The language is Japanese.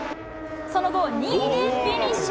その後、２位でフィニッシュ。